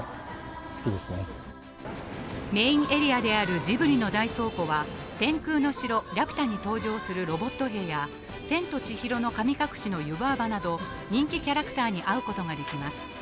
メインエリアであるジブリの大倉庫は、天空の城ラピュタに登場するロボット兵や、千と千尋の神隠しの湯婆婆など、人気キャラクターに会うことができます。